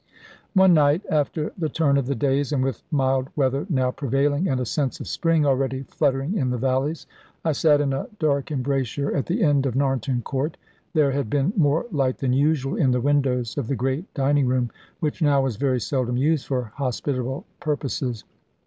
One night, after the turn of the days, and with mild weather now prevailing, and a sense of spring already fluttering in the valleys, I sat in a dark embrasure at the end of Narnton Court. There had been more light than usual in the windows of the great dining room, which now was very seldom used for hospitable purposes.